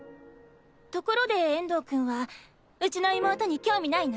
ところで遠藤くんはうちの妹に興味ないの？